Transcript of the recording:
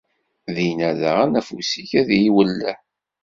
Dinna daɣen, afus-ik ad iyi-iwelleh.